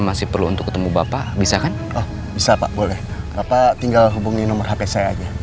masih perlu untuk ketemu bapak bisa kan oh bisa pak boleh bapak tinggal hubungi nomor hp saya aja